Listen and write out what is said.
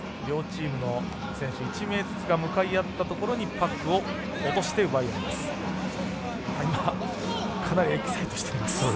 両チームの選手１名ずつが向かい合ったところにパックを落として奪い合います。